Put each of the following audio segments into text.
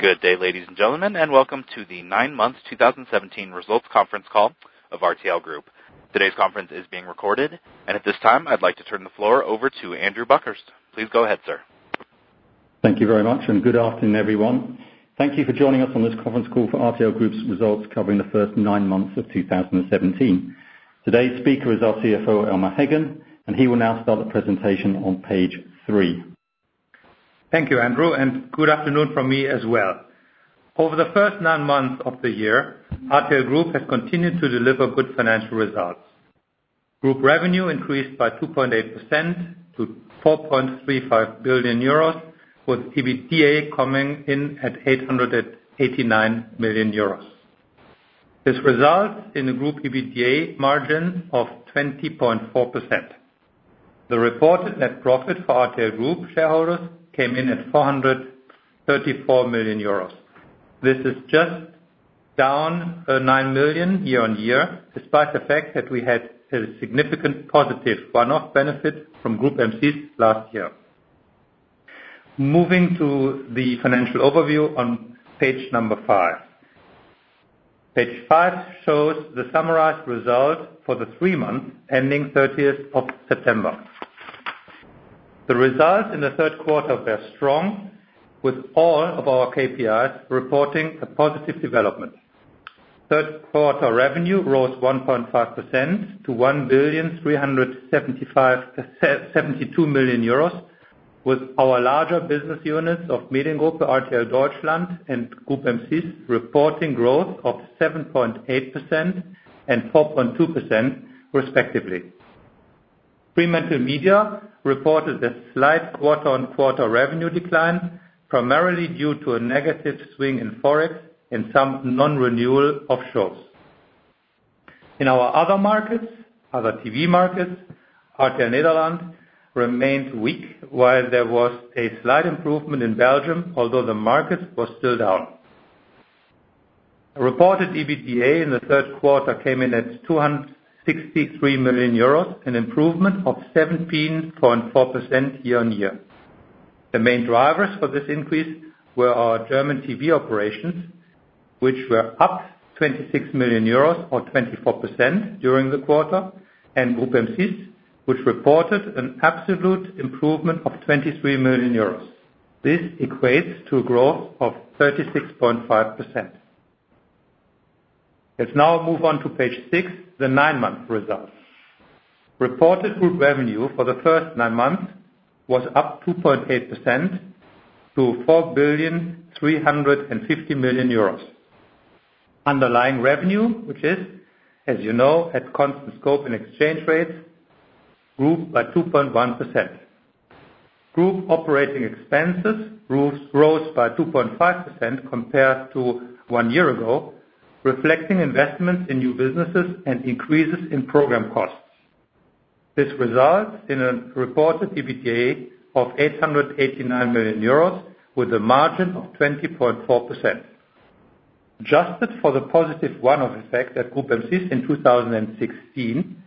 Good day, ladies and gentlemen, and welcome to the nine months 2017 results conference call of RTL Group. Today's conference is being recorded, and at this time, I'd like to turn the floor over to Andrew Buckhurst. Please go ahead, sir. Thank you very much, and good afternoon, everyone. Thank you for joining us on this conference call for RTL Group's results covering the first nine months of 2017. Today's speaker is our CFO, Elmar Heggen, and he will now start the presentation on page three. Thank you, Andrew, and good afternoon from me as well. Over the first nine months of the year, RTL Group has continued to deliver good financial results. Group revenue increased by 2.8% to 4.35 billion euros, with EBITDA coming in at 889 million euros. This results in a group EBITDA margin of 20.4%. The reported net profit for RTL Group shareholders came in at 434 million euros. This is just down 9 million year-on-year, despite the fact that we had a significant positive one-off benefit from Groupe M6 last year. Moving to the financial overview on page number five. Page five shows the summarized result for the three months ending 30th of September. The results in the third quarter were strong, with all of our KPIs reporting a positive development. Third quarter revenue rose 1.5% to 1.372 billion, with our larger business units of Mediengruppe RTL Deutschland and Groupe M6 reporting growth of 7.8% and 4.2% respectively. Fremantle reported a slight quarter-on-quarter revenue decline, primarily due to a negative swing in Forex and some non-renewal of shows. In our other markets, other TV markets, RTL Nederland remained weak, while there was a slight improvement in Belgium, although the market was still down. Reported EBITDA in the third quarter came in at 263 million euros, an improvement of 17.4% year-on-year. The main drivers for this increase were our German TV operations, which were up 26 million euros or 24% during the quarter, and Groupe M6, which reported an absolute improvement of 23 million euros. This equates to a growth of 36.5%. Let's now move on to page six, the nine-month results. Reported group revenue for the first nine months was up 2.8% to 4.35 billion. Underlying revenue, which is, as you know, at constant scope and exchange rates, grew by 2.1%. Group operating expenses rose by 2.5% compared to one year ago, reflecting investments in new businesses and increases in program costs. This results in a reported EBITDA of 889 million euros with a margin of 20.4%. Adjusted for the positive one-off effect at Groupe M6 in 2016,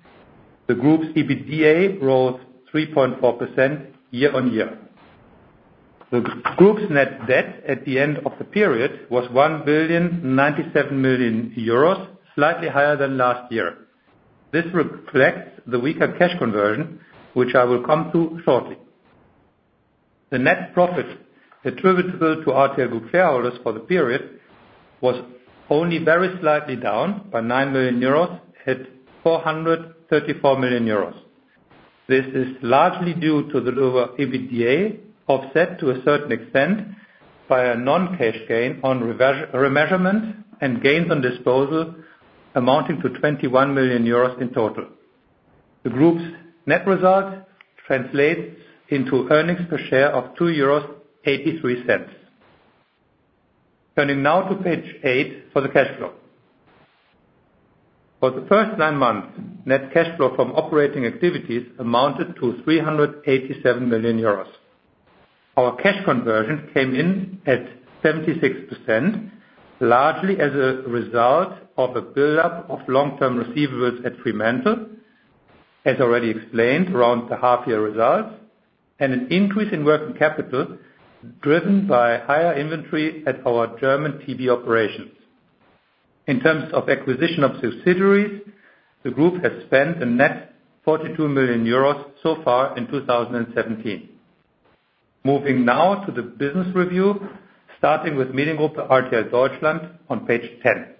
the group's EBITDA rose 3.4% year-on-year. The group's net debt at the end of the period was 1.097 billion, slightly higher than last year. This reflects the weaker cash conversion, which I will come to shortly. The net profit attributable to RTL Group shareholders for the period was only very slightly down by 9 million euros at 434 million euros. This is largely due to the lower EBITDA offset to a certain extent by a non-cash gain on remeasurement and gains on disposal amounting to 21 million euros in total. The group's net result translates into earnings per share of 2.83 euros. Turning now to page eight for the cash flow. For the first nine months, net cash flow from operating activities amounted to 387 million euros. Our cash conversion came in at 76%, largely as a result of a buildup of long-term receivables at Fremantle, as already explained around the half-year results, and an increase in working capital driven by higher inventory at our German TV operations. In terms of acquisition of subsidiaries, the group has spent a net 42 million euros so far in 2017. Moving now to the business review, starting with Mediengruppe RTL Deutschland on page 10.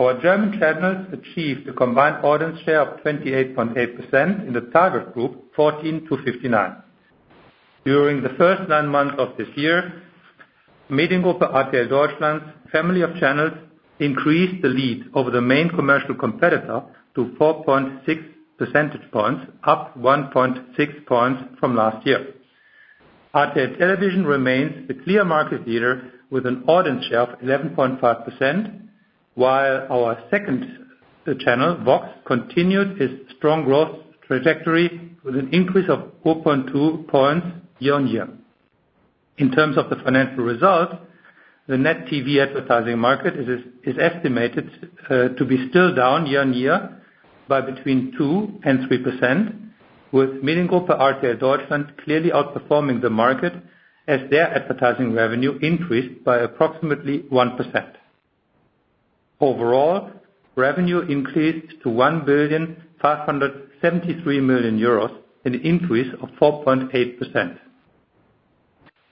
Our German channels achieved a combined audience share of 28.8% in the target group, 14 to 59. During the first nine months of this year, Mediengruppe RTL Deutschland's family of channels increased the lead over the main commercial competitor to 4.6 percentage points, up 1.6 points from last year. RTL Television remains the clear market leader with an audience share of 11.5%, while our second channel, Vox, continued its strong growth trajectory with an increase of 4.2 points year-on-year. In terms of the financial results, the net TV advertising market is estimated to be still down year-on-year by between 2% and 3%, with Mediengruppe RTL Deutschland clearly outperforming the market as their advertising revenue increased by approximately 1%. Overall, revenue increased to 1,573,000,000 in an increase of 4.8%.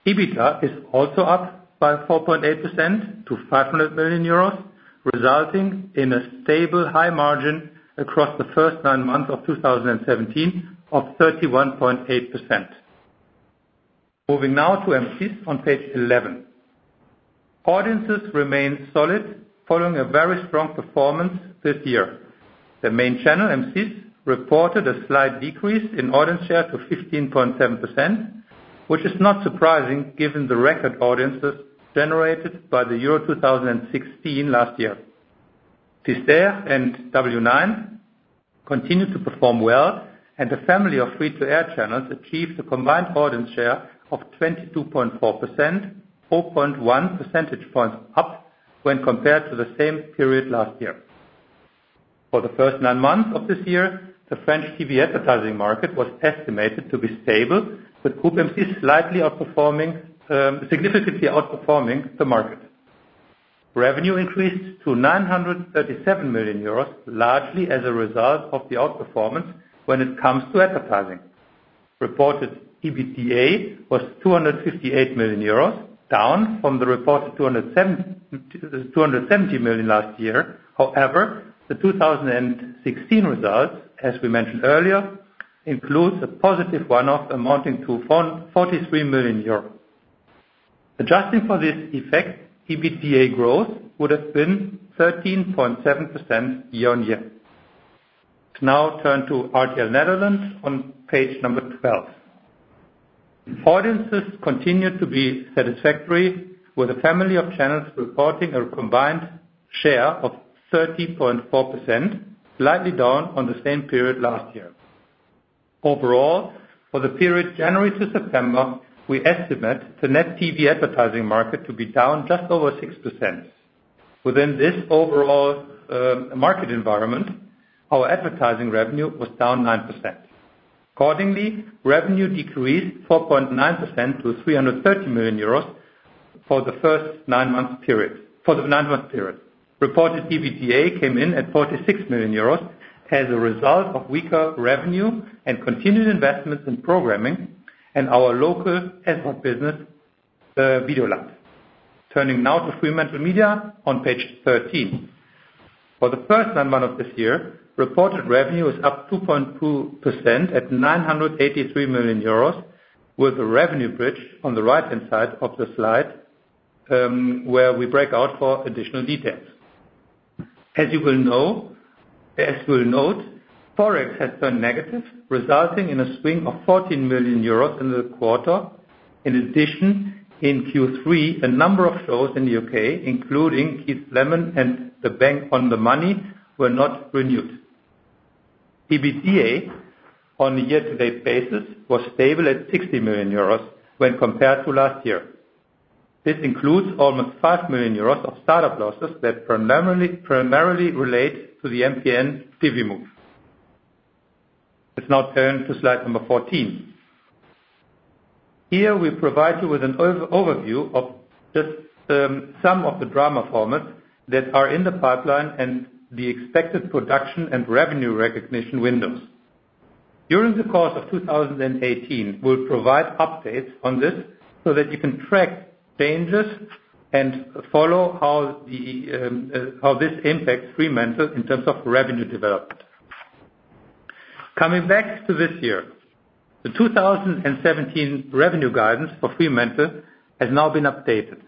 EBITDA is also up by 4.8% to 500 million euros, resulting in a stable high margin across the first nine months of 2017 of 31.8%. Moving now to M6 on page 11. Audiences remain solid following a very strong performance this year. The main channel, M6, reported a slight decrease in audience share to 15.7%, which is not surprising given the record audiences generated by the Euro 2016 last year. 6ter and W9 continue to perform well, and the family of free-to-air channels achieved a combined audience share of 22.4%, 4.1 percentage points up when compared to the same period last year. For the first nine months of this year, the French TV advertising market was estimated to be stable, with Groupe M6 significantly outperforming the market. Revenue increased to 937 million euros, largely as a result of the outperformance when it comes to advertising. Reported EBITDA was 258 million euros, down from the reported 270 million last year. However, the 2016 results, as we mentioned earlier, includes a positive one-off amounting to 43 million euros. Adjusting for this effect, EBITDA growth would have been 13.7% year-on-year. Let's now turn to RTL Nederland on page 12. Audiences continue to be satisfactory, with a family of channels reporting a combined share of 30.4%, slightly down on the same period last year. Overall, for the period January to September, we estimate the net TV advertising market to be down just over 6%. Within this overall market environment, our advertising revenue was down 9%. Accordingly, revenue decreased 4.9% to 330 million euros for the nine-month period. Reported EBITDA came in at 46 million euros as a result of weaker revenue and continued investments in programming in our local ad hoc business, Videoland. Turning now to FremantleMedia on page 13. For the first nine months of this year, reported revenue is up 2.2% at 983 million euros, with a revenue bridge on the right-hand side of the slide, where we break out for additional details. As you will note, Forex has turned negative, resulting in a swing of 14 million euros in the quarter. In addition, in Q3, a number of shows in the U.K., including "Keith Lemon" and "Bang on the Money," were not renewed. EBITDA on a year-to-date basis was stable at 60 million euros when compared to last year. This includes almost 5 million euros of startup losses that primarily relate to the MPN TV move. Let's now turn to slide 14. Here we provide you with an overview of just some of the drama formats that are in the pipeline and the expected production and revenue recognition windows. During the course of 2018, we'll provide updates on this so that you can track changes and follow how this impacts Fremantle in terms of revenue development. Coming back to this year, the 2017 revenue guidance for Fremantle has now been updated.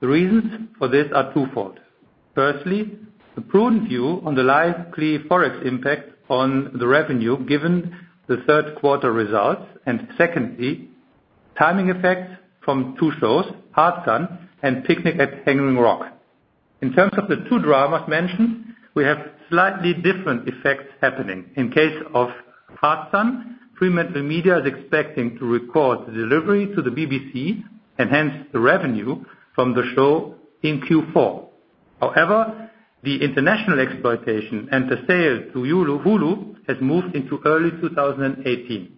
The reasons for this are twofold. Firstly, the prudent view on the likely Forex impact on the revenue given the third quarter results, secondly, timing effects from two shows, "Hard Sun" and "Picnic at Hanging Rock." In terms of the two dramas mentioned, we have slightly different effects happening. In case of "Hard Sun," FremantleMedia is expecting to record the delivery to the BBC and hence the revenue from the show in Q4. However, the international exploitation and the sale to Hulu has moved into early 2018.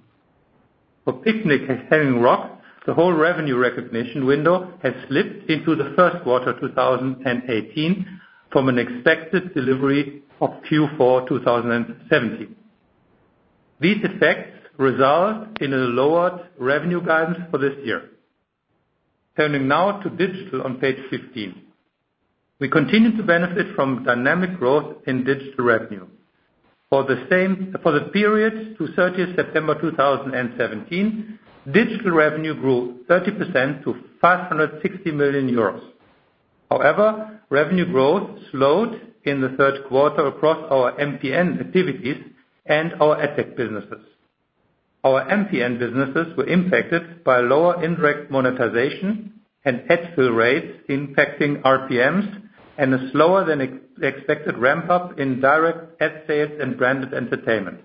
For "Picnic at Hanging Rock," the whole revenue recognition window has slipped into the first quarter 2018 from an expected delivery of Q4 2017. These effects result in a lowered revenue guidance for this year. Turning now to digital on page 15. We continue to benefit from dynamic growth in digital revenue. For the period to 30th September 2017, digital revenue grew 30% to 560 million euros. However, revenue growth slowed in the third quarter across our MPN activities and our AdTech businesses. Our MPN businesses were impacted by lower indirect monetization and ad fill rates impacting RPMs and a slower than expected ramp-up in direct ad sales and branded entertainment.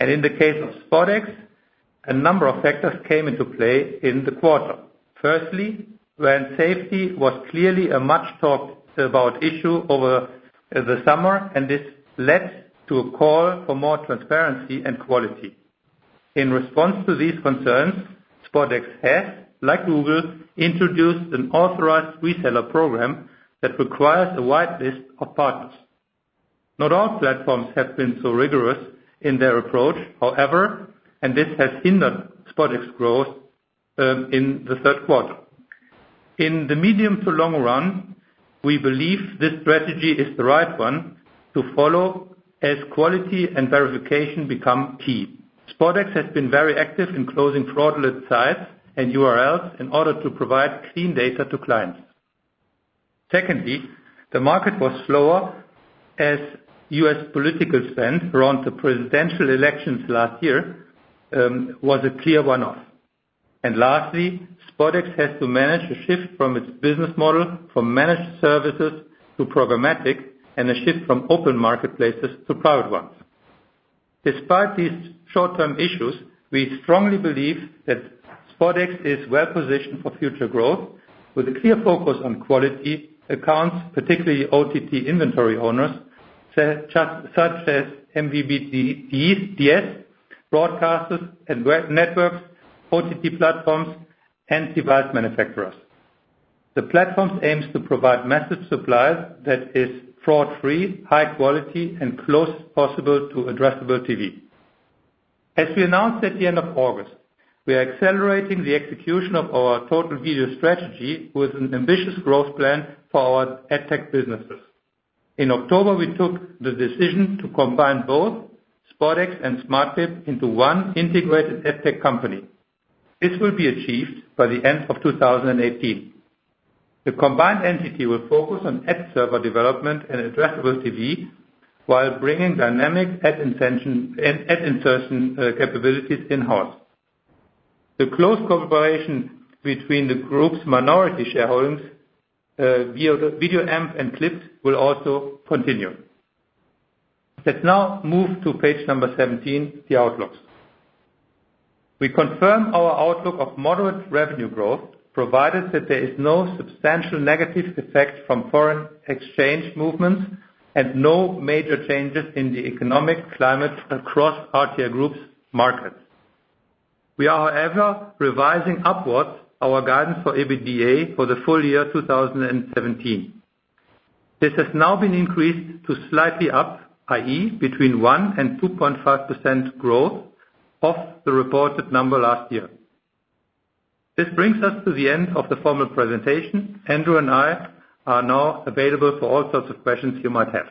In the case of SpotX, a number of factors came into play in the quarter. Firstly, brand safety was clearly a much-talked-about issue over the summer, and this led to a call for more transparency and quality. In response to these concerns, SpotX has, like Google, introduced an authorized reseller program that requires a wide list of partners. Not all platforms have been so rigorous in their approach, however, and this has hindered SpotX growth in the third quarter. In the medium to long run, we believe this strategy is the right one to follow, as quality and verification become key. SpotX has been very active in closing fraudulent sites and URLs in order to provide clean data to clients. Secondly, the market was slower as U.S. political spend around the presidential elections last year, was a clear one-off. Lastly, SpotX has to manage a shift from its business model from managed services to programmatic and a shift from open marketplaces to private ones. Despite these short-term issues, we strongly believe that SpotX is well-positioned for future growth with a clear focus on quality accounts, particularly OTT inventory owners, such as MVPDs, broadcasters, and networks, OTT platforms, and device manufacturers. The platforms aims to provide massive suppliers that is fraud-free, high quality, and close possible to addressable TV. As we announced at the end of August, we are accelerating the execution of our total video strategy with an ambitious growth plan for our AdTech businesses. In October, we took the decision to combine both SpotX and Smartclip into one integrated AdTech company. This will be achieved by the end of 2018. The combined entity will focus on ad server development and addressable TV, while bringing dynamic ad insertion capabilities in-house. The close cooperation between the group's minority shareholdings, VideoAmp and Clypd, will also continue. Let's now move to page number 17, the outlooks. We confirm our outlook of moderate revenue growth, provided that there is no substantial negative effect from Forex movements and no major changes in the economic climate across RTL Group's markets. We are, however, revising upwards our guidance for EBITDA for the full year 2017. This has now been increased to slightly up, i.e., between 1% and 2.5% growth off the reported number last year. This brings us to the end of the formal presentation. Andrew and I are now available for all sorts of questions you might have.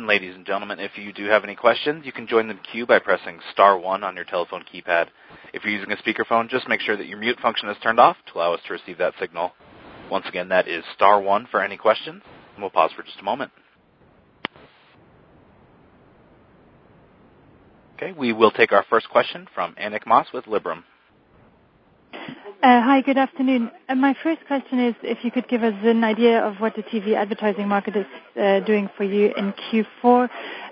Ladies and gentlemen, if you do have any questions, you can join the queue by pressing star one on your telephone keypad. If you're using a speakerphone, just make sure that your mute function is turned off to allow us to receive that signal. Once again, that is star one for any questions, and we'll pause for just a moment. Okay, we will take our first question from Annick Maes with Liberum. Hi, good afternoon. My first question is if you could give us an idea of what the TV advertising market is doing for you in Q4,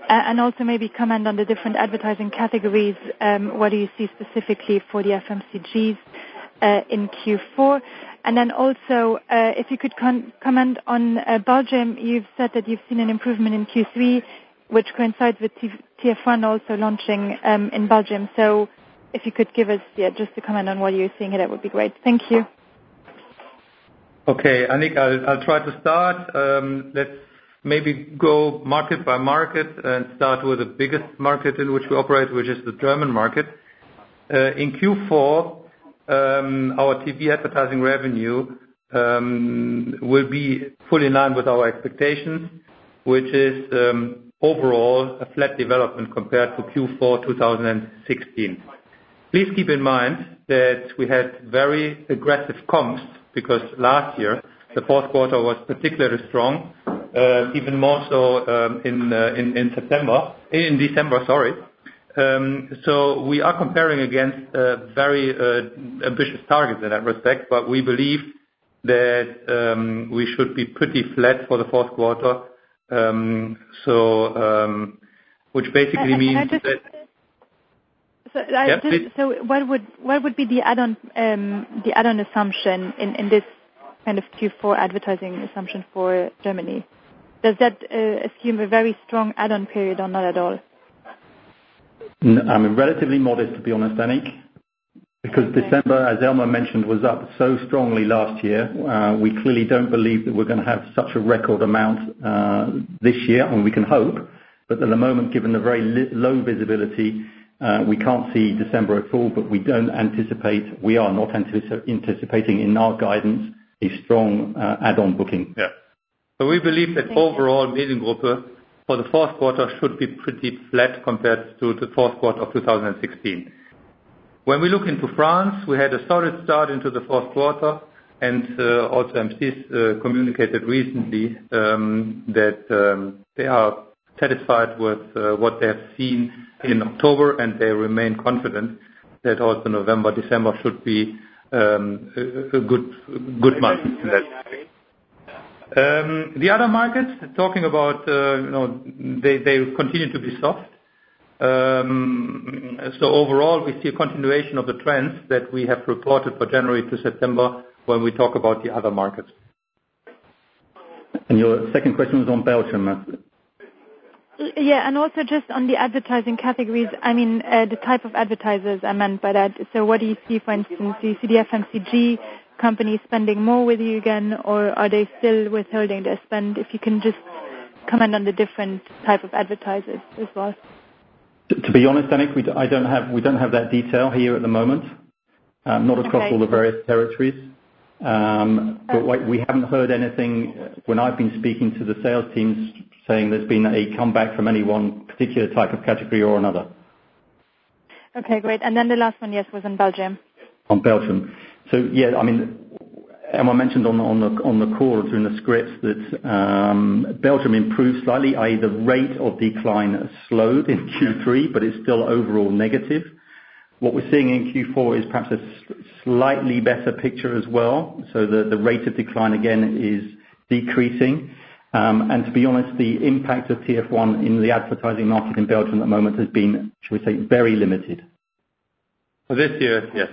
and also maybe comment on the different advertising categories. What do you see specifically for the FMCGs, in Q4? If you could comment on Belgium. You've said that you've seen an improvement in Q3, which coincides with TF1 also launching in Belgium. If you could give us just a comment on what you're seeing there, that would be great. Thank you. Okay, Annick, I'll try to start. Let's maybe go market by market and start with the biggest market in which we operate, which is the German market. In Q4, our TV advertising revenue will be fully in line with our expectations, which is, overall, a flat development compared to Q4 2016. Please keep in mind that we had very aggressive comps, because last year, the fourth quarter was particularly strong, even more so in September. In December, sorry. We are comparing against very ambitious targets in that respect, but we believe that we should be pretty flat for the fourth quarter, which basically means that. What would be the add-on assumption in this Q4 advertising assumption for Germany? Does that assume a very strong add-on period or not at all? I mean, relatively modest, to be honest, Annick. December, as Elmar mentioned, was up so strongly last year. We clearly don't believe that we're going to have such a record amount this year, and we can hope. At the moment, given the very low visibility, we can't see December at all, but we are not anticipating in our guidance a strong add-on booking. Yeah. We believe that overall, Mediengruppe, for the fourth quarter, should be pretty flat compared to the fourth quarter of 2016. We look into France, we had a solid start into the fourth quarter, and also M6 communicated recently, that they are satisfied with what they have seen in October, and they remain confident that also November, December should be a good month. The other markets, talking about, they continue to be soft. Overall, we see a continuation of the trends that we have reported for January to September when we talk about the other markets. Your second question was on Belgium? Yeah. Also just on the advertising categories, the type of advertisers I meant by that. What do you see, for instance, do you see the FMCG companies spending more with you again, or are they still withholding their spend? If you can just comment on the different type of advertisers as well. To be honest, Annick, we don't have that detail here at the moment. Okay. Not across all the various territories. Okay. We haven't heard anything when I've been speaking to the sales teams saying there's been a comeback from any one particular type of category or another. Okay, great. Then the last one, yes, was on Belgium. On Belgium. Yeah, I mean, Elmar mentioned on the call during the script that Belgium improved slightly, i.e., the rate of decline slowed in Q3, but it's still overall negative. What we're seeing in Q4 is perhaps a slightly better picture as well, so the rate of decline again is decreasing. To be honest, the impact of TF1 in the advertising market in Belgium at the moment has been, should we say, very limited. For this year, yes.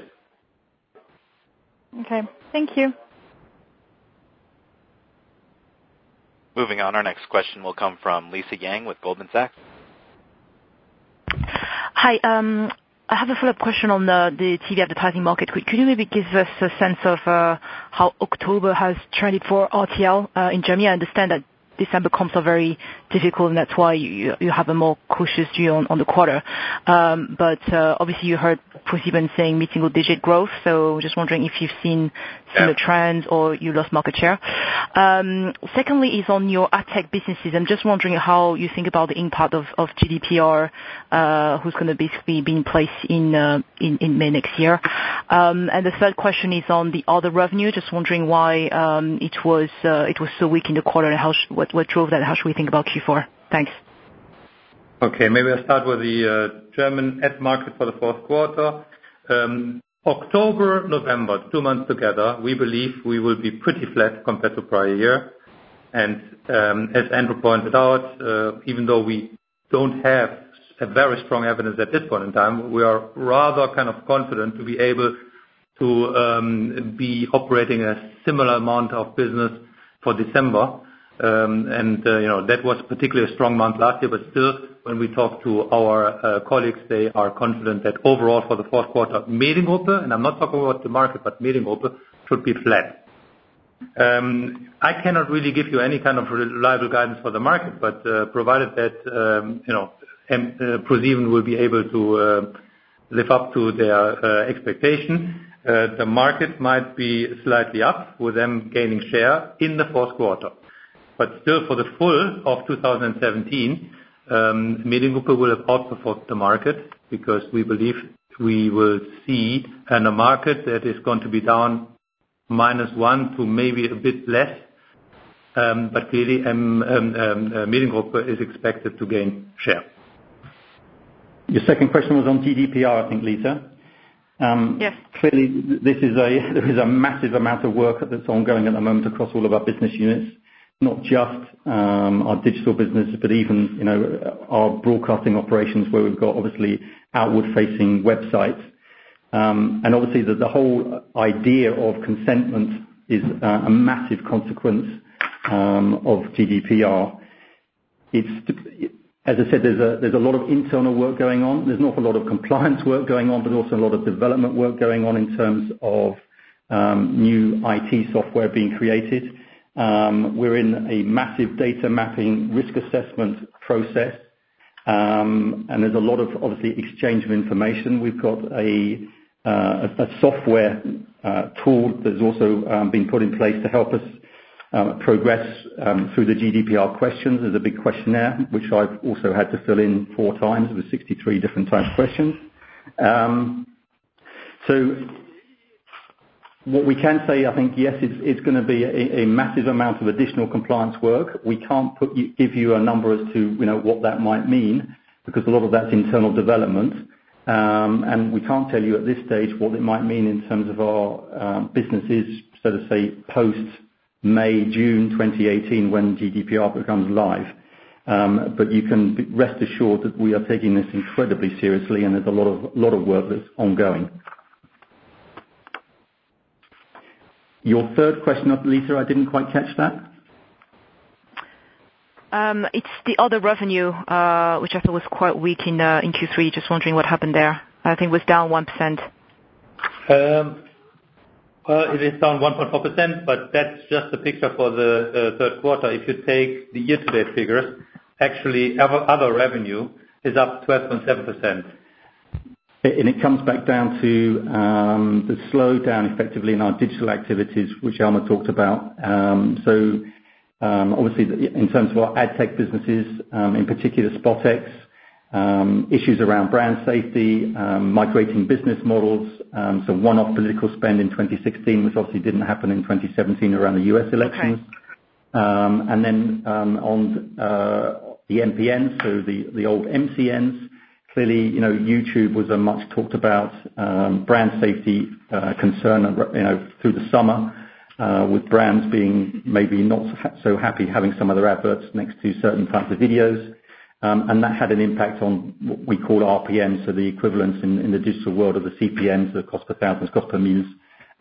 Okay. Thank you. Moving on, our next question will come from Lisa Yang with Goldman Sachs. Hi. I have a follow-up question on the TV advertising market. Could you maybe give us a sense of how October has trended for RTL in Germany? I understand that December comps are very difficult and that's why you have a more cautious view on the quarter. Obviously you heard ProSiebenSat.1 saying mid-single digit growth. Yeah similar trends or you lost market share. Secondly is on your AdTech businesses. I'm just wondering how you think about the impact of GDPR, who's going to basically be in place in May next year. The third question is on the other revenue. Just wondering why it was so weak in the quarter and what drove that, how should we think about Q4? Thanks. Okay. Maybe I'll start with the German ad market for the fourth quarter. October, November, two months together, we believe we will be pretty flat compared to prior year. As Andrew pointed out, even though we don't have a very strong evidence at this point in time, we are rather kind of confident to be able to be operating a similar amount of business for December. That was particularly a strong month last year, but still, when we talk to our colleagues, they are confident that overall for the fourth quarter, Mediengruppe, and I'm not talking about the market, but Mediengruppe should be flat. I cannot really give you any kind of reliable guidance for the market, but, provided that ProSiebenSat.1 will be able to live up to their expectation, the market might be slightly up with them gaining share in the fourth quarter. Still, for the full of 2017, Mediengruppe will have out-performed the market because we believe we will see in a market that is going to be down -1 to maybe a bit less. Clearly, Mediengruppe is expected to gain share. Your second question was on GDPR, I think, Lisa. Yes. Clearly, this is a massive amount of work that's ongoing at the moment across all of our business units, not just our digital business, but even our broadcasting operations, where we've got obviously outward facing websites. Obviously, the whole idea of consentment is a massive consequence of GDPR. As I said, there's a lot of internal work going on. There's an awful lot of compliance work going on, but also a lot of development work going on in terms of new IT software being created. We're in a massive data mapping risk assessment process. There's a lot of, obviously, exchange of information. We've got a software tool that's also being put in place to help us progress through the GDPR questions. There's a big questionnaire, which I've also had to fill in four times with 63 different types of questions. What we can say, I think, yes, it's going to be a massive amount of additional compliance work. We can't give you a number as to what that might mean, because a lot of that's internal development. We can't tell you at this stage what it might mean in terms of our businesses, so to say, post May, June 2018 when GDPR becomes live. You can rest assured that we are taking this incredibly seriously and there's a lot of work that's ongoing. Your third question, Lisa, I didn't quite catch that. It's the other revenue, which I thought was quite weak in Q3. Just wondering what happened there. I think it was down 1%. It is down 1.4%, but that's just the picture for the third quarter. If you take the year-to-date figures, actually our other revenue is up 12.7%. It comes back down to the slowdown, effectively, in our digital activities, which Elmar talked about. Obviously, in terms of our AdTech businesses, in particular SpotX, issues around brand safety, migrating business models. One-off political spend in 2016, which obviously didn't happen in 2017 around the U.S. elections. Okay. On the MCN, the old MCNs. Clearly, YouTube was a much talked about brand safety concern through the summer, with brands being maybe not so happy having some of their adverts next to certain types of videos. That had an impact on what we call RPMs, the equivalents in the digital world of the CPMs, the cost per thousands, cost per mille,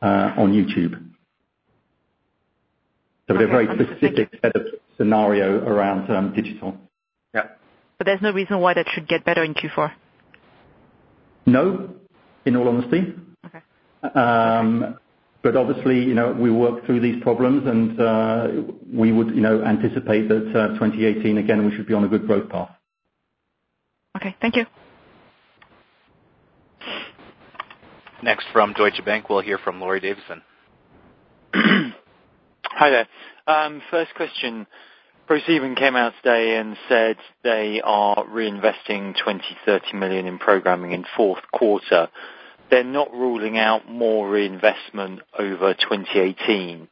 on YouTube. They're a very specific set of scenario around digital. Yeah. There's no reason why that should get better in Q4? No, in all honesty. Okay. Obviously, we work through these problems and we would anticipate that 2018, again, we should be on a good growth path. Okay. Thank you. Next from Deutsche Bank, we'll hear from Laurie Davison. Hi there. First question. ProSiebenSat.1 came out today and said they are reinvesting 20 million-30 million in programming in fourth quarter. They're not ruling out more reinvestment over 2018.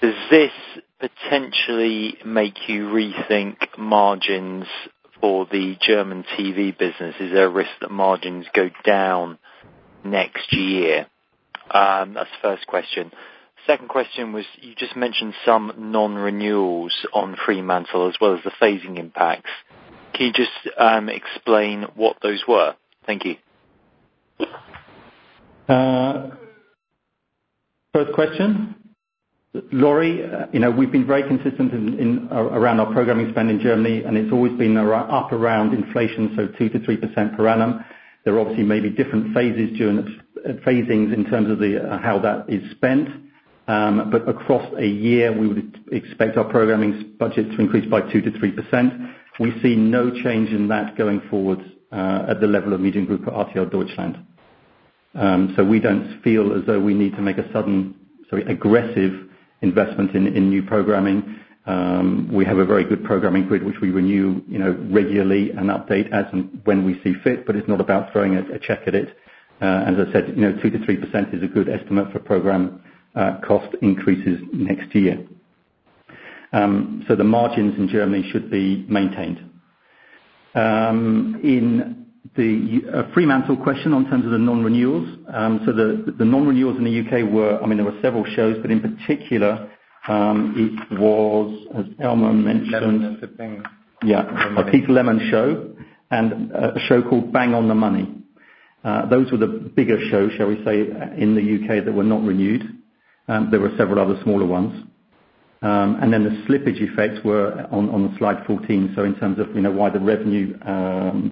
Does this potentially make you rethink margins for the German TV business? Is there a risk that margins go down next year? That's the first question. Second question was, you just mentioned some non-renewals on Fremantle, as well as the phasing impacts. Can you just explain what those were? Thank you. First question. Laurie, we've been very consistent around our programming spend in Germany, and it's always been up around inflation, 2%-3% per annum. There obviously may be different phasings in terms of how that is spent. Across a year, we would expect our programming budget to increase by 2%-3%. We see no change in that going forward at the level of Media Group or RTL Deutschland. We don't feel as though we need to make a sudden aggressive investment in new programming. We have a very good programming grid, which we renew regularly and update as when we see fit, but it's not about throwing a check at it. As I said, 2%-3% is a good estimate for program cost increases next year. The margins in Germany should be maintained. In the Fremantle question in terms of the non-renewals. The non-renewals in the U.K. There were several shows, but in particular, it was, as Elmar mentioned- Lemon is the thing. A Keith Lemon show and a show called Bang on the Money. Those were the bigger shows, shall we say, in the U.K. that were not renewed. The slippage effects were on slide 14. In terms of why the revenue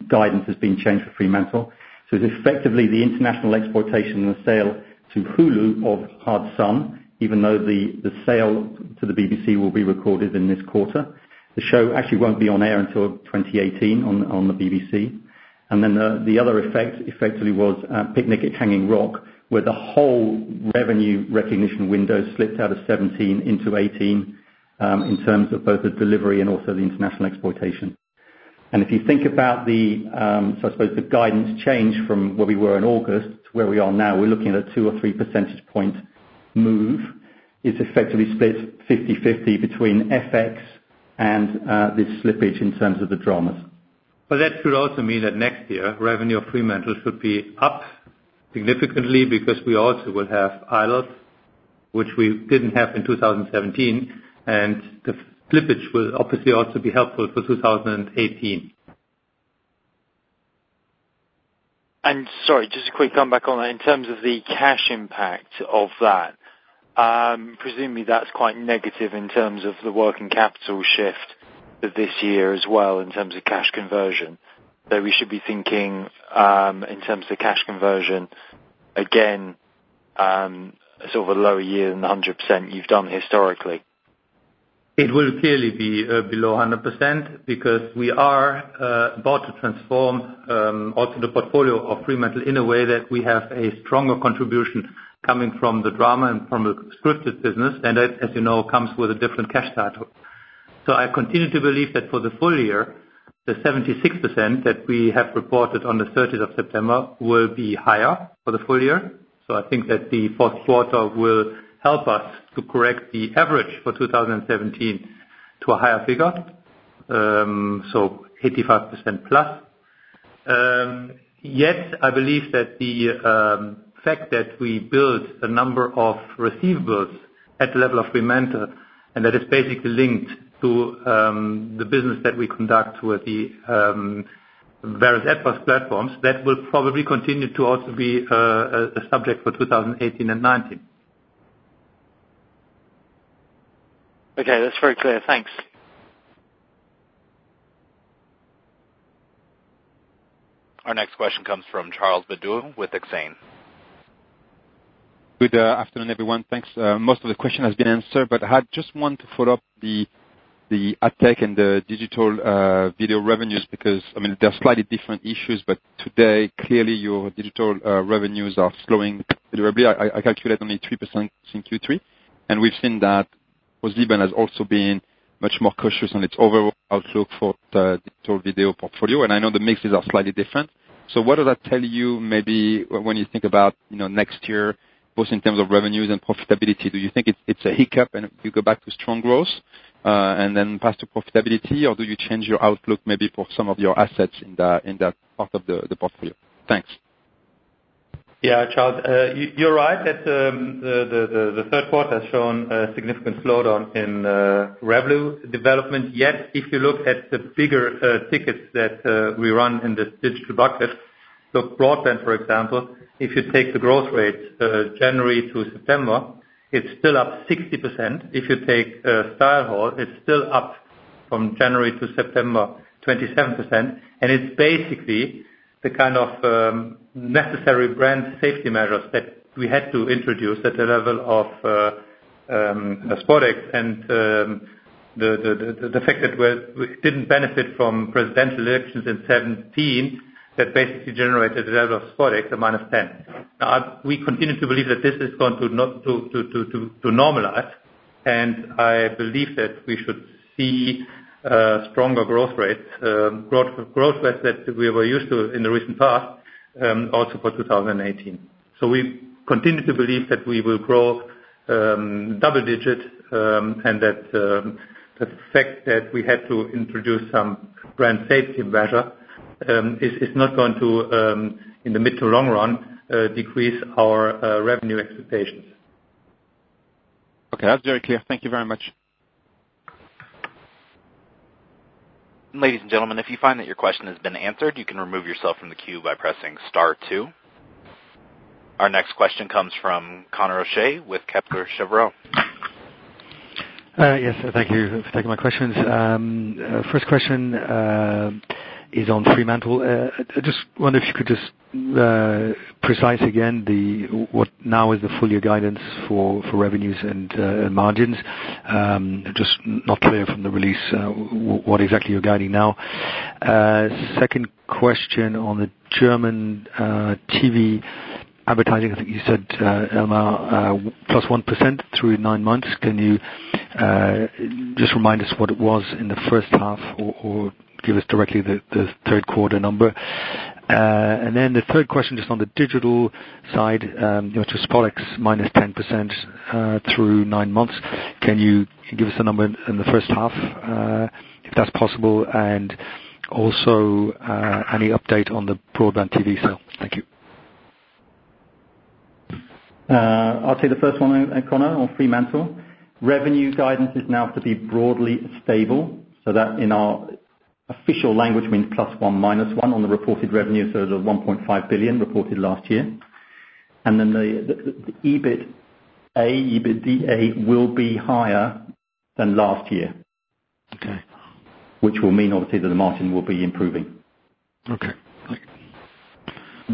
guidance has been changed for Fremantle. It's effectively the international exploitation and the sale to Hulu of Hard Sun, even though the sale to the BBC will be recorded in this quarter. The show actually won't be on air until 2018 on the BBC. The other effect effectively was Picnic at Hanging Rock, where the whole revenue recognition window slipped out of 2017 into 2018, in terms of both the delivery and also the international exploitation. If you think about the guidance change from where we were in August to where we are now, we're looking at a two or three percentage point move. It's effectively split 50/50 between FX and this slippage in terms of the dramas. That should also mean that next year, revenue of Fremantle should be up significantly because we also will have I-slot, which we didn't have in 2017, and the slippage will obviously also be helpful for 2018. Sorry, just a quick comeback on that. In terms of the cash impact of that, presumably that's quite negative in terms of the working capital shift this year as well, in terms of cash conversion. Though we should be thinking, in terms of cash conversion again, sort of a lower year than the 100% you've done historically. It will clearly be below 100% because we are about to transform also the portfolio of Fremantle in a way that we have a stronger contribution coming from the drama and from the scripted business, and that, as you know, comes with a different cash status. I continue to believe that for the full year, the 76% that we have reported on the 30th of September will be higher for the full year. I think that the fourth quarter will help us to correct the average for 2017 to a higher figure, 85% plus. I believe that the fact that we built a number of receivables at the level of Fremantle, and that is basically linked to the business that we conduct with the various AVOD platforms, that will probably continue to also be a subject for 2018 and 2019. Okay. That's very clear. Thanks. Our next question comes from Charles Bedouelle with Exane. Good afternoon, everyone. Thanks. Most of the question has been answered, I just want to follow up the AdTech and the digital video revenues because, they're slightly different issues, today, clearly your digital revenues are slowing deliberately. I calculate only 3% in Q3, and we've seen that ProSiebenSat.1 has also been much more cautious on its overall outlook for the digital video portfolio, I know the mixes are slightly different. What does that tell you maybe when you think about next year, both in terms of revenues and profitability? Do you think it's a hiccup and you go back to strong growth, then back to profitability, or do you change your outlook maybe for some of your assets in that part of the portfolio? Thanks. Yeah, Charles, you're right that the third quarter has shown a significant slowdown in revenue development. Yet, if you look at the bigger tickets that we run in this digital bucket, BroadbandTV, for example, if you take the growth rate January to September, it's still up 60%. If you take StyleHaul, it's still up from January to September, 27%. It's basically the kind of necessary brand safety measures that we had to introduce at the level of SpotX and the fact that we didn't benefit from presidential elections in 2017, that basically generated the level of SpotX, a minus 10%. I believe that we should see stronger growth rates that we were used to in the recent past, also for 2018. We continue to believe that we will grow double-digit, and that the fact that we had to introduce some brand safety measure, is not going to, in the mid- to long-run, decrease our revenue expectations. Okay, that's very clear. Thank you very much. Ladies and gentlemen, if you find that your question has been answered, you can remove yourself from the queue by pressing star two. Our next question comes from Conor O'Shea with Kepler Cheuvreux. Yes, thank you for taking my questions. First question is on Fremantle. I just wonder if you could just precise again, what now is the full-year guidance for revenues and margins. Just not clear from the release what exactly you're guiding now. Second question on the German TV advertising. I think you said, Elmar, plus 1% through nine months. Can you just remind us what it was in the first half, or give us directly the third quarter number? The third question, just on the digital side, just SpotX minus 10% through nine months. Can you give us a number in the first half, if that's possible? Any update on the BroadbandTV sale? Thank you. I'll take the first one, Conor, on Fremantle. Revenue guidance is now to be broadly stable, that in our official language means plus one minus one on the reported revenue, the 1.5 billion reported last year. The EBITDA will be higher than last year. Okay. Which will mean, obviously, that the margin will be improving. Okay, thank you.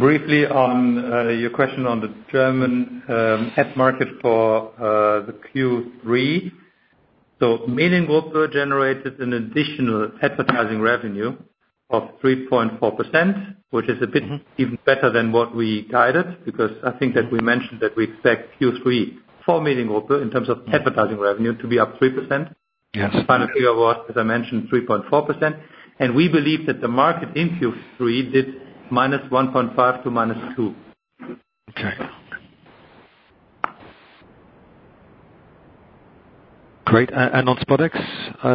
Briefly, on your question on the German ad market for the Q3. Mediengruppe generated an additional advertising revenue of 3.4%, which is a bit even better than what we guided, because I think that we mentioned that we expect Q3 for Mediengruppe, in terms of advertising revenue, to be up 3%. Yes. Final figure was, as I mentioned, 3.4%. We believe that the market in Q3 did -1.5% to -2%. Okay. Great. On SpotX,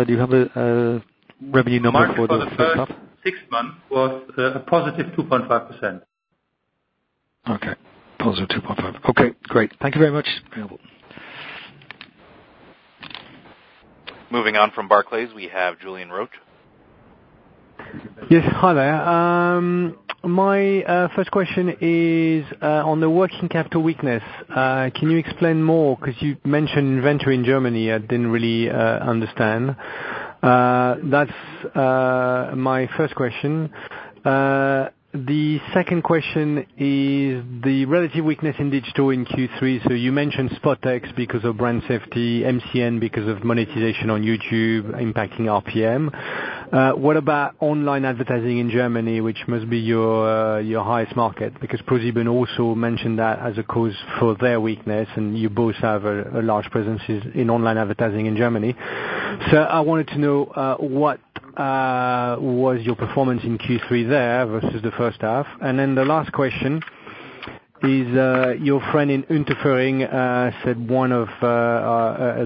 do you have the revenue number for the first half? Market for the first six months was a positive 2.5%. Okay. Positive 2.5%. Okay, great. Thank you very much. Moving on from Barclays, we have Julien Roch. Yes. Hi, there. My first question is on the working capital weakness. Can you explain more, because you mentioned inventory in Germany, I didn't really understand. That's my first question. The second question is the relative weakness in digital in Q3. You mentioned SpotX because of brand safety, MCN because of monetization on YouTube impacting RPM. What about online advertising in Germany, which must be your highest market? ProSiebenSat.1 also mentioned that as a cause for their weakness, and you both have a large presence in online advertising in Germany. I wanted to know what was your performance in Q3 there versus the first half. The last question is, your friend in Unterföhring said one of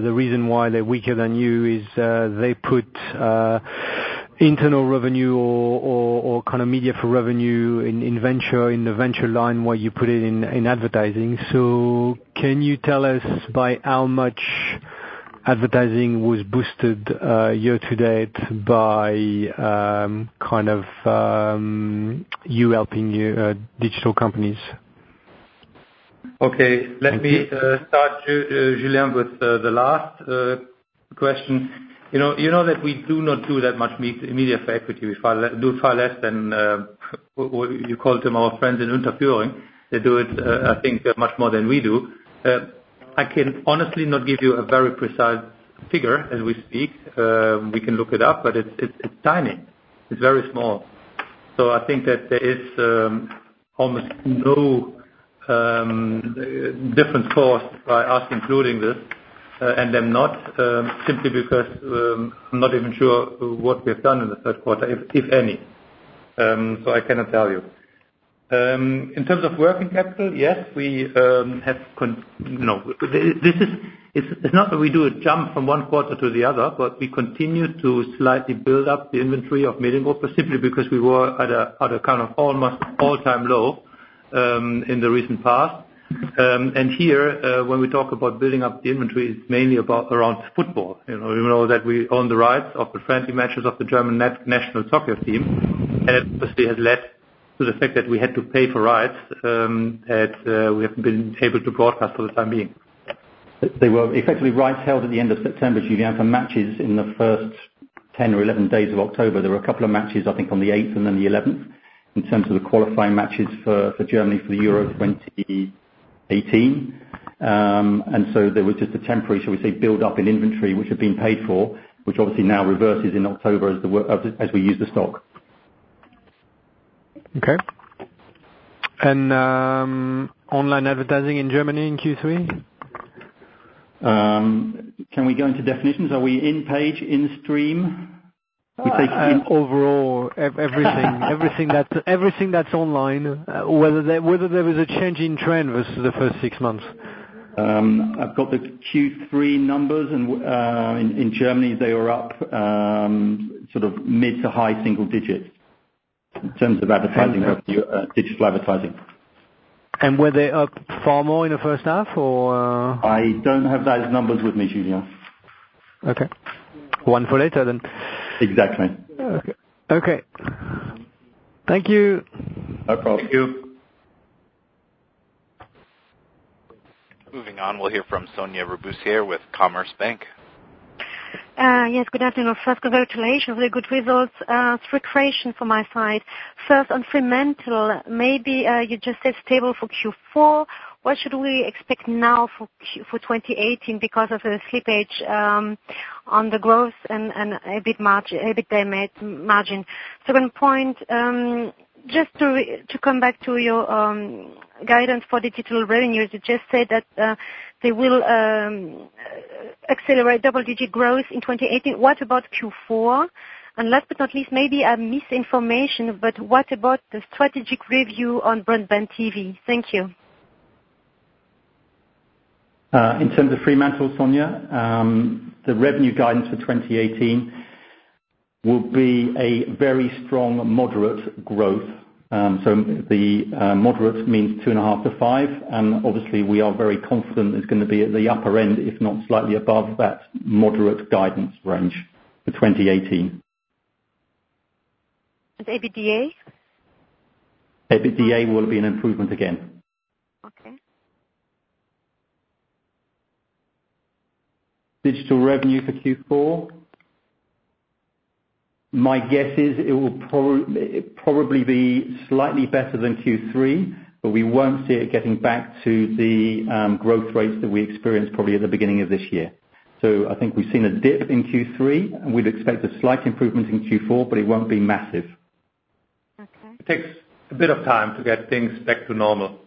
the reason why they're weaker than you is they put internal revenue or media for revenue in venture, in the venture line, while you put it in advertising. Can you tell us by how much advertising was boosted year to date by you helping digital companies? Okay. Let me start, Julien, with the last question. You know that we do not do that much media for equity. We do far less than, you called them our friends in Unterföhring. They do it, I think, much more than we do. I can honestly not give you a very precise figure as we speak. We can look it up, but it's tiny. It's very small. I think that there is almost no different force by us including this, and them not, simply because I'm not even sure what we have done in the third quarter, if any. I cannot tell you. In terms of working capital, yes. It's not that we do a jump from one quarter to the other, but we continue to slightly build up the inventory of matches simply because we were at a kind of almost all-time low in the recent past. Here, when we talk about building up the inventory, it's mainly around football. You know that we own the rights of the friendly matches of the German national soccer team, and obviously has led to the fact that we haven't been able to broadcast for the time being. They were effectively rights held at the end of September, Julien, for matches in the first 10 or 11 days of October. There were a couple of matches, I think on the eighth and then the 11th, in terms of the qualifying matches for Germany for World Cup 2018. There was just a temporary, shall we say, buildup in inventory, which had been paid for, which obviously now reverses in October as we use the stock. Okay. Online advertising in Germany in Q3? Can we go into definitions? Are we in-page, in-stream? Overall, everything. Everything that's online, whether there was a change in trend versus the first six months. I've got the Q3 numbers. In Germany, they were up mid to high single digits in terms of advertising, digital advertising. Were they up far more in the first half, or? I don't have those numbers with me, Julien. Okay. One for later, then. Exactly. Okay. Thank you. No problem. Thank you. Moving on, we'll hear from Sonia Rabussier with Commerzbank. Yes, good afternoon. First, congratulations. Really good results. Three questions from my side. First, on Fremantle, maybe you just said stable for Q4. What should we expect now for 2018 because of the slippage on the growth and EBITDA margin? Second point, just to come back to your guidance for digital revenues. You just said that they will accelerate double-digit growth in 2018. What about Q4? Last but not least, maybe I missed information, but what about the strategic review on BroadbandTV? Thank you. In terms of Fremantle, Sonia, the revenue guidance for 2018 will be a very strong moderate growth. The moderate means two and a half to five, and obviously we are very confident it's going to be at the upper end, if not slightly above that moderate guidance range for 2018. EBITDA? EBITDA will be an improvement again. Okay. Digital revenue for Q4. My guess is it will probably be slightly better than Q3, but we won't see it getting back to the growth rates that we experienced probably at the beginning of this year. I think we've seen a dip in Q3, we'd expect a slight improvement in Q4, but it won't be massive. Okay. It takes a bit of time to get things back to normal.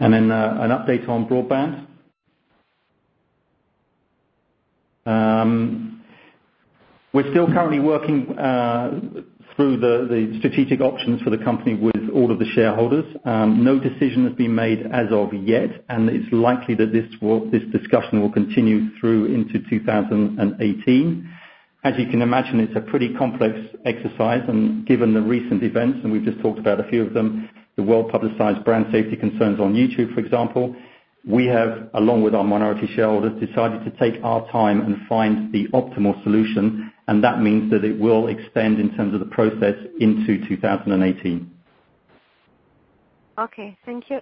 Then, an update on BroadbandTV. We're still currently working through the strategic options for the company with all of the shareholders. No decision has been made as of yet, it's likely that this discussion will continue through into 2018. As you can imagine, it's a pretty complex exercise, given the recent events, we've just talked about a few of them, the well-publicized brand safety concerns on YouTube, for example. We have, along with our minority shareholders, decided to take our time and find the optimal solution, that means that it will extend in terms of the process into 2018. Okay. Thank you.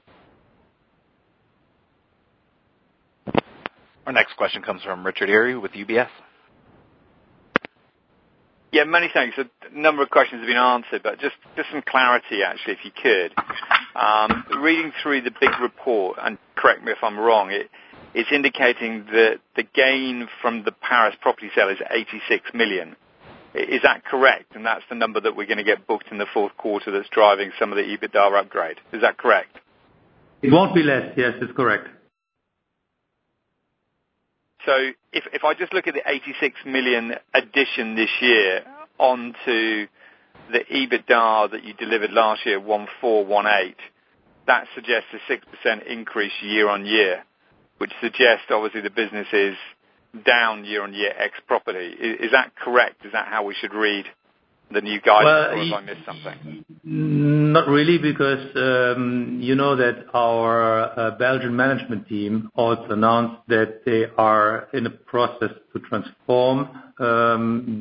Our next question comes from Richard Eary with UBS. Yeah, many thanks. A number of questions have been answered, but just some clarity, actually, if you could. Reading through the big report, correct me if I'm wrong, it's indicating that the gain from the Paris property sale is 86 million. Is that correct? That's the number that we're going to get booked in the fourth quarter that's driving some of the EBITDA upgrade. Is that correct? It won't be less. Yes, it's correct. if I just look at the 86 million addition this year onto the EBITDA that you delivered last year, 1,418 million, that suggests a 6% increase year-over-year, which suggests, obviously, the business is down year-over-year ex property. Is that correct? Is that how we should read the new guidance, or have I missed something? Not really, because you know that our Belgian management team also announced that they are in a process to transform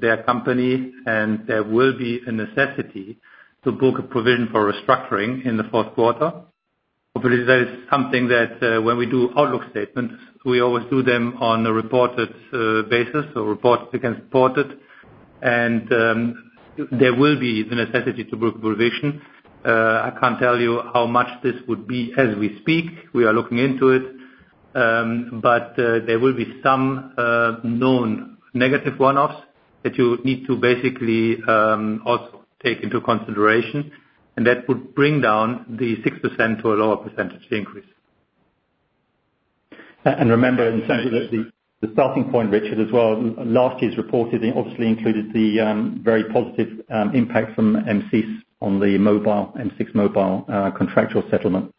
their company, there will be a necessity to book a provision for restructuring in the fourth quarter. Obviously, that is something that when we do outlook statements, we always do them on a reported basis, so reported against reported. There will be the necessity to book provision. I can't tell you how much this would be as we speak. We are looking into it. There will be some known negative one-offs that you need to basically also take into consideration, and that would bring down the 6% to a lower percentage increase. remember, essentially, that the starting point, Richard, as well, last year's reported obviously included the very positive impact from M6 on the mobile, M6 mobile contractual settlement.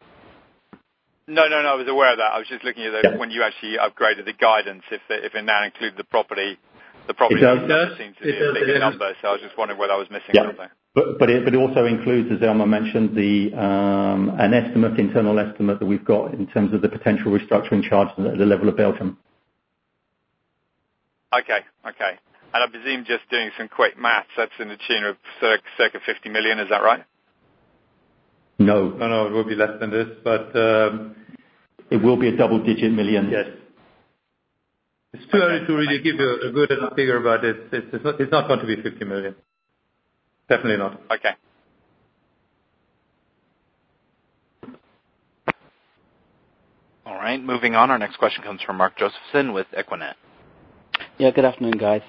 No, I was aware of that. I was just looking at when you actually upgraded the guidance, if in that include the property. It does The property just seemed to be a bigger number. I was just wondering whether I was missing something. Yeah. It also includes, as Elmar mentioned, an internal estimate that we've got in terms of the potential restructuring charges at the level of Belgium. Okay. I presume, just doing some quick math, that's in the tune of circa 50 million. Is that right? No. No, it will be less than this. It will be a EUR double digit million. Yes. It's too early to really give you a good figure, but it's not going to be 50 million. Definitely not. Okay. All right. Moving on. Our next question comes from Markus Holst with equinet Bank. Yeah, good afternoon, guys.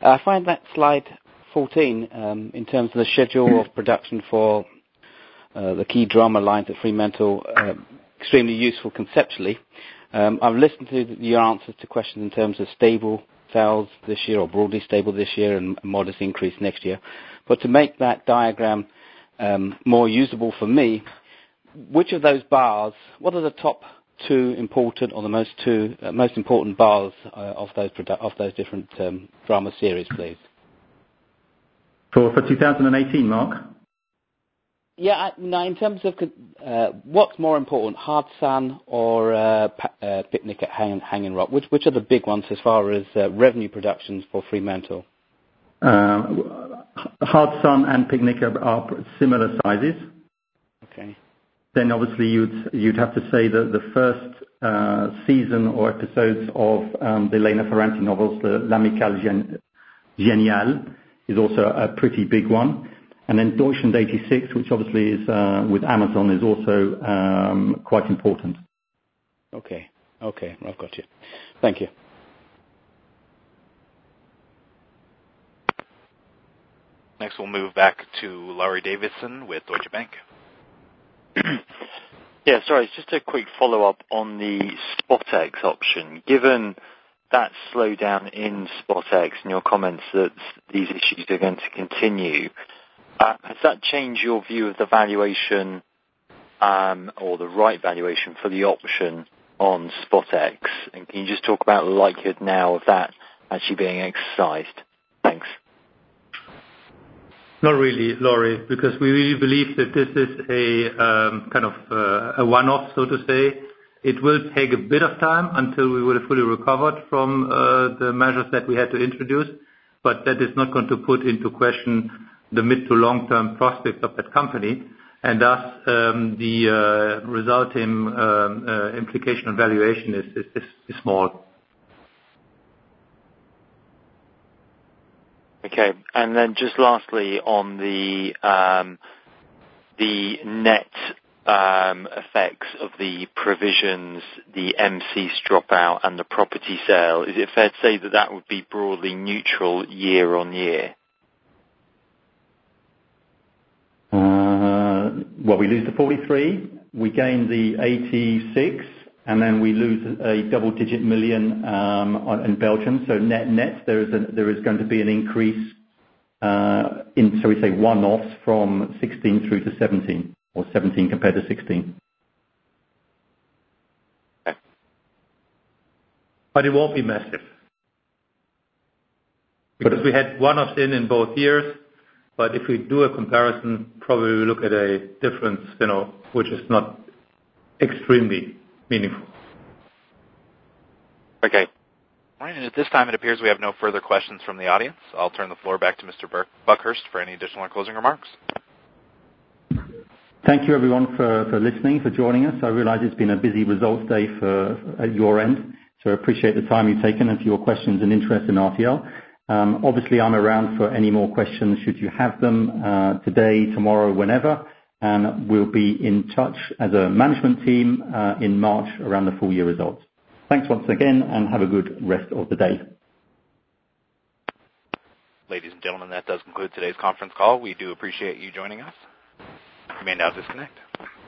I find that slide 14, in terms of the schedule of production for the key drama lines at Fremantle, extremely useful conceptually. I've listened to your answers to questions in terms of stable sales this year, or broadly stable this year, and a modest increase next year. To make that diagram more usable for me, which of those bars, what are the top two important or the most important bars of those different drama series, please? For 2018, Mark? Yeah. No, in terms of what's more important, "Hard Sun" or "Picnic at Hanging Rock?" Which are the big ones as far as revenue productions for Fremantle? Hard Sun" and "Picnic" are similar sizes. Okay. obviously you'd have to say that the first season or episodes of the Elena Ferrante novels, the "L'amica geniale," is also a pretty big one. "Deutschland 86," which obviously is with Amazon, is also quite important. Okay. I've got you. Thank you. Next, we'll move back to Laurie Davison with Deutsche Bank. Yeah, sorry. Just a quick follow-up on the SpotX option. Given that slowdown in SpotX and your comments that these issues are going to continue, has that changed your view of the valuation or the right valuation for the option on SpotX? Can you just talk about the likelihood now of that actually being exercised? Thanks. Not really, Laurie, because we really believe that this is a one-off, so to say. It will take a bit of time until we will have fully recovered from the measures that we had to introduce. That is not going to put into question the mid-to-long-term prospects of that company. Thus, the resulting implication on valuation is small. Okay. Just lastly, on the net effects of the provisions, the MCNs dropout, and the property sale, is it fair to say that that would be broadly neutral year-on-year? We lose 43, we gain 86, and then we lose a double-digit million in Belgium. Net, there is going to be an increase in, shall we say, one-offs from 2016 through to 2017, or 2017 compared to 2016. It won't be massive. Because we had one-offs then in both years, but if we do a comparison, probably we look at a difference which is not extremely meaningful. Okay. All right. At this time, it appears we have no further questions from the audience. I will turn the floor back to Mr. Buckhurst for any additional closing remarks. Thank you everyone for listening, for joining us. I realize it's been a busy results day at your end, appreciate the time you've taken and for your questions and interest in RTL. Obviously, I'm around for any more questions, should you have them, today, tomorrow, whenever. We'll be in touch as a management team in March around the full year results. Thanks once again, have a good rest of the day. Ladies and gentlemen, that does conclude today's conference call. We do appreciate you joining us. You may now disconnect.